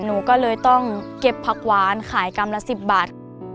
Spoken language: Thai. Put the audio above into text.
หนูก็เลยต้องเก็บผักหวานขายกรัมละ๑๐บาท